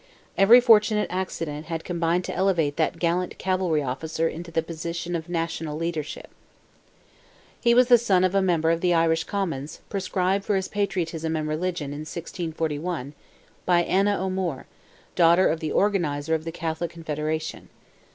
Every fortunate accident had combined to elevate that gallant cavalry officer into the position of national leadership. He was the son of a member of the Irish Commons, proscribed for his patriotism and religion in 1641, by Anna O'Moore, daughter of the organizer of the Catholic Confederation.